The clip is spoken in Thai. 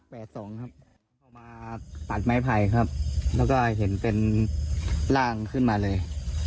มาปัดไม้ไพรครับเพิ่งถ่ายเห็นเป็นร่างซึ่งมาเลย